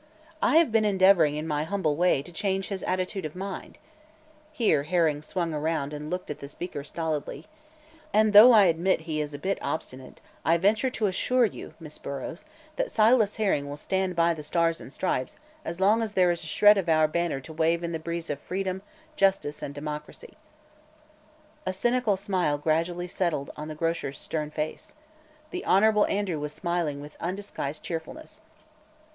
I have been endeavoring, in my humble way, to change his attitude of mind," here Herring swung around and looked at the speaker stolidly, "and though I admit he is a bit obstinate, I venture to assure you, Miss Burrows, that Silas Herring will stand by the Stars and Stripes as long as there is a shred of our banner to wave in the breeze of freedom, justice and democracy." A cynical smile gradually settled on the grocer's stern face. The Hon. Andrew was smiling with undisguised cheerfulness.